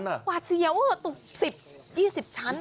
หวาดเสียวตก๑๐๒๐ชั้น